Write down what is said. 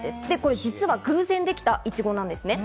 実は偶然できた、いちごなんですね。